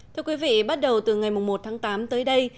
thưa quý vị bắt đầu từ ngày một tháng tám tới đây